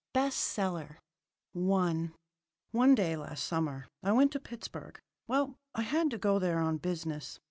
BEST SELLER I One day last summer I went to Pittsburgh well, I had to go there on business.